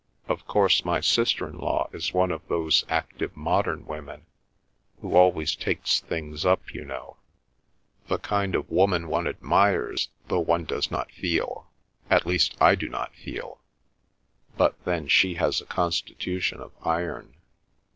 Of course, my sister in law is one of those active modern women, who always takes things up, you know—the kind of woman one admires, though one does not feel, at least I do not feel—but then she has a constitution of iron."